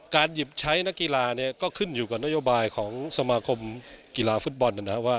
การหยิบใช้นักกีฬาก็ขึ้นอยู่กับนโยบายของสมาคมกีฬาฟุตบอล